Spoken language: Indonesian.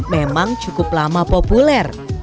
memang cukup lama populer